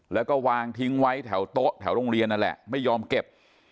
แล้วก็วางทิ้งไว้แถวโต๊ะแถวโรงเรียนนั่นแหละไม่ยอมเก็บ